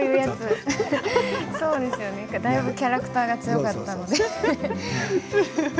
キャラクターが強かったので。